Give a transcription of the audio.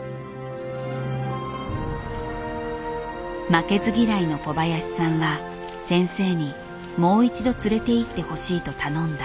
負けず嫌いの小林さんは先生にもう一度連れていってほしいと頼んだ。